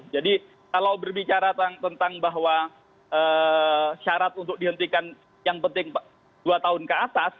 jadi kalau berbicara tentang bahwa syarat untuk dihentikan yang penting dua tahun ke atas